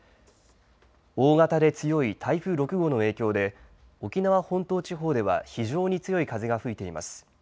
大型で強い台風６号の影響で沖縄本島地方では非常に強い風が吹いています。